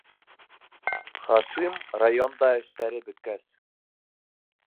Хашим, районда эштәре бөткәс.